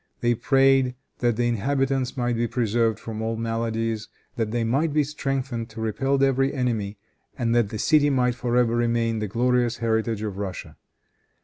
They prayed that the inhabitants might be preserved from all maladies, that they might be strengthened to repel every enemy, and that the city might for ever remain the glorious heritage of Russia.